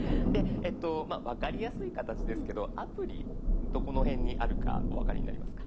分かりやすい形ですけどアプリどこの辺にあるかお分かりになりますか？